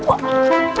apa salahnya itu